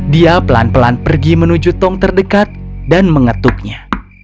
dia pelan pelan pergi menuju tong terdekat dan mengetuknya